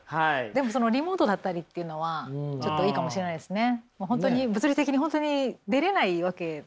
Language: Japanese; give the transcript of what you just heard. でもそのリモートだったりっていうのはちょっといいかもしれないですね。